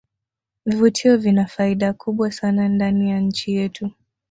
vivutio vina faida kubwa sana ndani ya nchi yetu